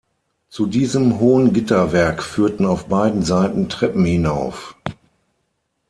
Zu diesem hohen Gitterwerk führten auf beiden Seiten Treppen hinauf.